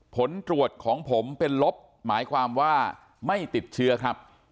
ผลตรวจของผมเป็นลบหมายความว่าไม่ติดเชื้อครับ